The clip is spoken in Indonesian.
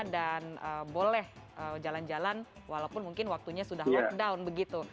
dan boleh jalan jalan walaupun mungkin waktunya sudah lockdown begitu